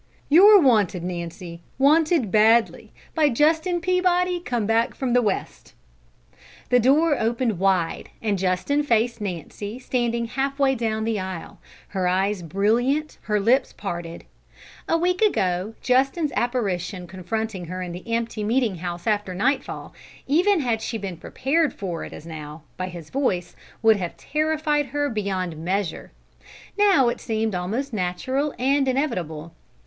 "You're wanted, Nancy, wanted badly, by Justin Peabody, come back from the West." The door opened wide, and Justin faced Nancy standing half way down the aisle, her eyes brilliant, her lips parted. A week ago Justin's apparition confronting her in the empty Meeting House after nightfall, even had she been prepared for it as now, by his voice, would have terrified her beyond measure. Now it seemed almost natural and inevitable.